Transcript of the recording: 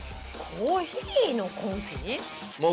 コーヒーのコンフィ？